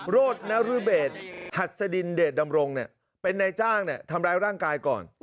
โรธนรเบศหัสดินเดชดำรงเป็นนายจ้างทำร้ายร่างกายก่อน